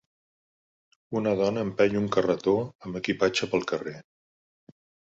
Una dona empeny un carretó amb equipatge pel carrer.